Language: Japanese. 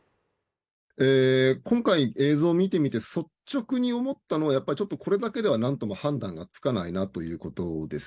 今回、映像を見てみて率直に思ったのはやっぱりちょっとこれだけではなんとも判断がつかないなということです。